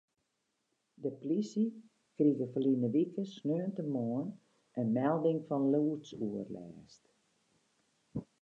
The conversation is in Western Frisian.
De polysje krige ferline wike sneintemoarn in melding fan lûdsoerlêst.